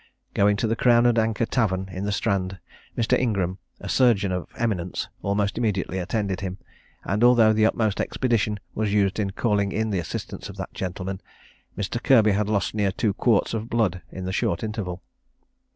Going to the Crown and Anchor Tavern in the Strand, Mr. Ingram, a surgeon of eminence, almost immediately attended him; and although the utmost expedition was used in calling in the assistance of that gentleman, Mr. Kirby had lost near two quarts of blood in the short interval.